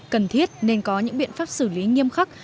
cần thiết nên có những biện pháp xử lý nghiêm khắc